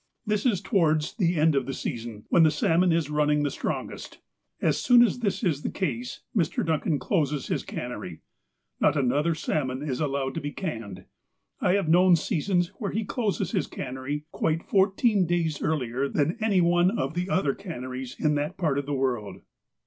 This is towards the end of the season, when the salmon is running the strongest. As soon as this is the case, Mr. Duncan closes his cannery. Not another salmon is allowed to be canned. I have known seasons when he closed his can nery quite fourteen days earlier than any one of the other canneries in that part of the world.